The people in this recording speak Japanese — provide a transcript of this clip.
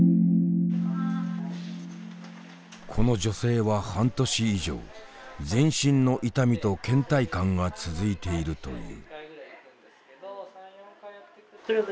この女性は半年以上全身の痛みとけん怠感が続いているという。